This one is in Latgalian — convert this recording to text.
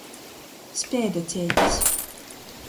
Speidaceitis.